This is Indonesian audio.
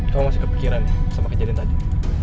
kamu masih kepikiran sama kejadian tadi